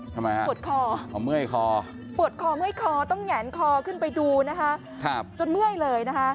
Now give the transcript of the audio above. ทำไมฮะปวดคอพอเมื่อยคอปวดคอเมื่อยคอต้องแหยนคอขึ้นไปดูนะคะจนเมื่อยเลยนะคะ